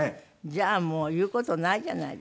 じゃあもう言う事ないじゃないですかね。